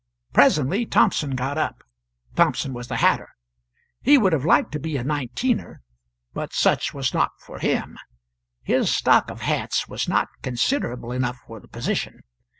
Presently Thompson got up. Thompson was the hatter. He would have liked to be a Nineteener; but such was not for him; his stock of hats was not considerable enough for the position.